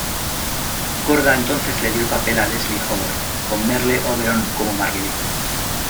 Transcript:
Korda entonces le dio el papel a Leslie Howard, con Merle Oberon como Marguerite.